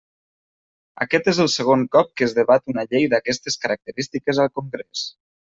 Aquest és el segon cop que es debat una llei d'aquestes característiques al Congrés.